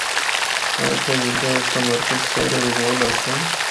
آکھیا جُلدا اے اس دا مرکز شہرا دے کول آسا۔